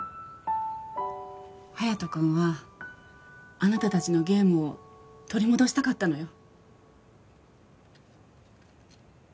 隼人君はあなた達のゲームを取り戻したかったのよ